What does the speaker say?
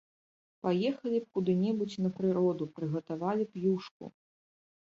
Паехалі б куды-небудзь на прыроду, прыгатавалі б юшку!